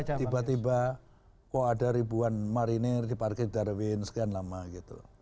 kenapa tiba tiba kok ada ribuan marinir di parkir darwin segala nama gitu